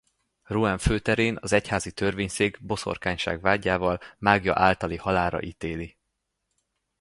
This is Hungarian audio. Rouen főterén az egyházi törvényszék boszorkányság vádjával máglya általi halálra ítéli.